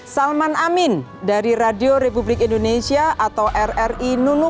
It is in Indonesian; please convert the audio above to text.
salman amin dari radio republik indonesia atau rri nunung